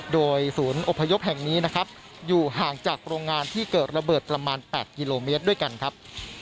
โดยศูนย์อพยพแห่งนี้นะครับอยู่ห่างจากโรงงานที่เกิดระเบิดประมาณ๘กิโลเมตรด้วยกันครับ